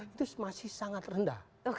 itu masih sangat rendah